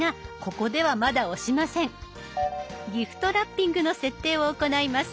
ギフトラッピングの設定を行います。